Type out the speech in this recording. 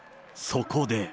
そこで。